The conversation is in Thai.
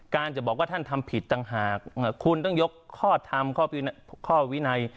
จะบอกว่าท่านทำผิดต่างหากคุณต้องยกข้อทำข้อวินัย